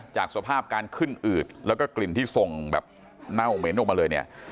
จากสภาพการขึ้นอืดแล้วก็กลิ่นที่ส่งแบบเน่าเหม็นออกมาเลยเนี่ย